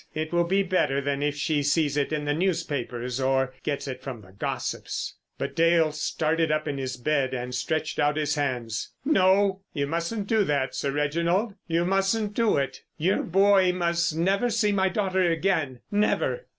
It will be better than if she sees it in the newspapers or gets it from the gossips——" But Dale started up in his bed and stretched out his hands. "No, you mustn't do that, Sir Reginald. You mustn't do it. Your boy must never see my daughter again—never!"